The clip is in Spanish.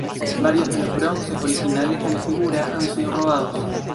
Varios de los bronces originales de la figura han sido robados.